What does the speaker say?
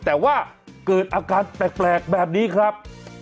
แต่ว่าเกิดอาการแปลกแบบนี้ครับ